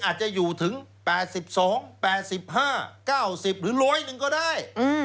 อาจจะอยู่ถึง๘๒๘๕๙๐หรือ๑๐๐นึงก็ได้